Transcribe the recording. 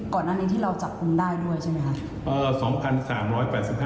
ก่อนหน้านี้ที่เราจับกลุ่มได้ด้วยใช่ไหมคะ